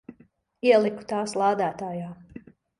Ieliku tās lādētājā.